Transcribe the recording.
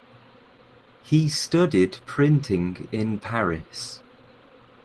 He studied printing in Paris.